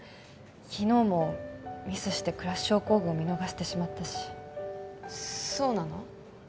昨日もミスしてクラッシュ症候群見逃してしまったしそうなの？